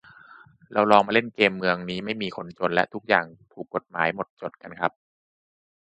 เรามาลองเล่นเกมเมืองนี้ไม่มีคนจนและทุกอย่างถูกฎหมายหมดจดกันครับ